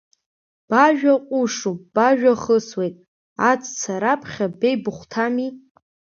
Бажәа ҟәышуп, бажәа хысуеит, аҵәца раԥхьа ба ибыхәҭами.